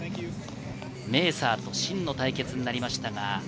メーサーとシンの対決になりました。